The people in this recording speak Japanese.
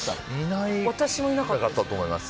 いなかったと思います。